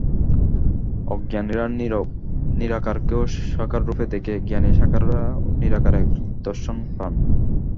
অজ্ঞানীরা নিরাকারকেও সাকাররূপে দেখে, জ্ঞানী সাকারেও নিরাকার এর দর্শন পান।